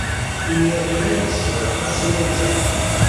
Imir-a kan ay d-sɣiɣ tasiwant-a.